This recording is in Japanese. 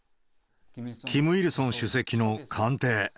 キム・イルソン主席の官邸。